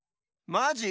マジ？